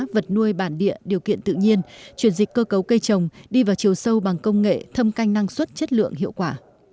vật nuôi bản địa điều kiện tự nhiên chuyển dịch cơ cấu cây trồng đi vào chiều sâu bằng công nghệ thâm canh năng suất chất lượng hiệu quả